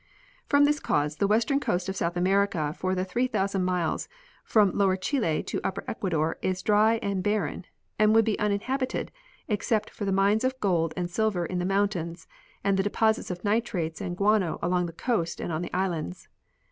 From this cause the western coast of South America for the 3,000 miles from lower Chile to upper Ecuador is dr}^ and bar ren, and would be uninhabited except for the mines of gold and silver in the mountains and the deposits of nitrates and guano along the coast and on the islands.